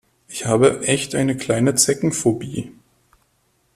Ich habe echt eine kleine Zeckenphobie.